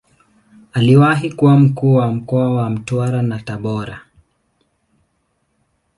Aliwahi kuwa Mkuu wa mkoa wa Mtwara na Tabora.